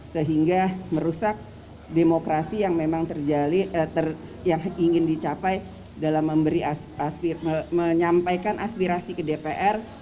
sehingga merusak demokrasi yang ingin dicapai dalam menyampaikan aspirasi ke dpr